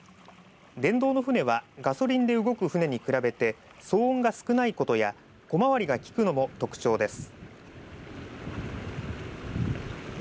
電動の船はガソリンで動く船に比べて騒音が少ないことや小回りが利くのも特徴です。